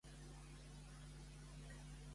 Com es defineix el xofer?